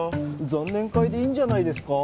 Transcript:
残念会でいいんじゃないですか？